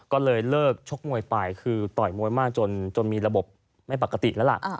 ก็เลยเลิกชกมวยไปคือต่อยมวยมากจนมีระบบไม่ปกติแล้วล่ะ